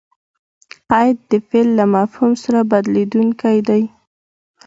قید؛ د فعل له مفهوم سره بدلېدونکی دئ.